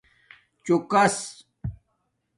چُݸکس